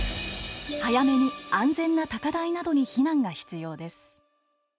早めに安全な高台などに避難が必要です。